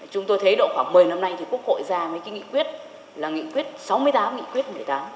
chúng tôi thấy độ khoảng một mươi năm nay thì quốc hội ra với cái nghị quyết là nghị quyết sáu mươi tám nghị quyết một mươi tám